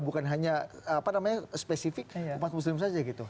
bukan hanya apa namanya spesifik umat muslim saja gitu